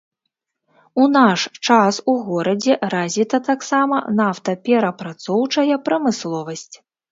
У наш час у горадзе развіта таксама нафтаперапрацоўчая прамысловасць.